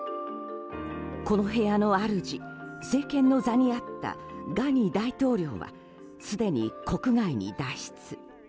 この部屋の主政権の座にあったガニ大統領はすでに国外に脱出。